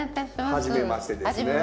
はじめましてですね。